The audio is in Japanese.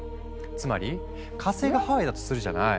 つまり火星がハワイだとするじゃない？